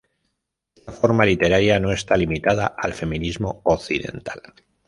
Esta forma literaria no está limitada al feminismo occidental.